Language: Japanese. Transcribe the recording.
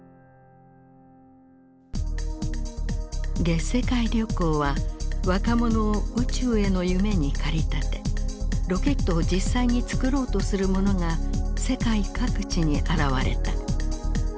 「月世界旅行」は若者を宇宙への夢に駆り立てロケットを実際に作ろうとする者が世界各地に現れた。